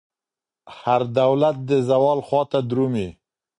هر دولت د زوال خواته درومي.